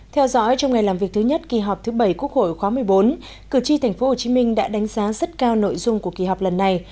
theo dõi trong ngày làm việc thứ nhất kỳ họp thứ bảy quốc hội khóa một mươi bốn cử tri tp hcm đã đánh giá rất cao nội dung của kỳ họp lần này